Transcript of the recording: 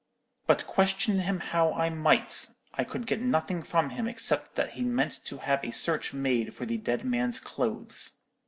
But question him how I might, I could get nothing from him except that he meant to have a search made for the dead man's clothes.